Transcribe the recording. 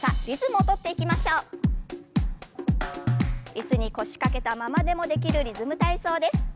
椅子に腰掛けたままでもできるリズム体操です。